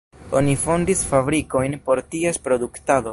Oni fondis fabrikojn por ties produktado.